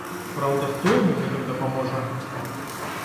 Праўда, хто ім у гэтым дапаможа?